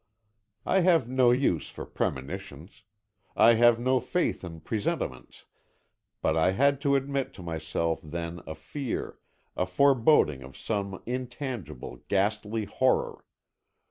I have no use for premonitions, I have no faith in presentiments, but I had to admit to myself then a fear, a foreboding of some intangible, ghastly horror.